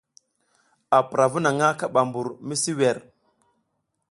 A pura vu naƞʼna kaɓa mɓur misi wer.